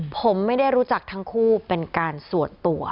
ผมไม่ได้รู้จักทั้งคู่เป็นการส่วนตัว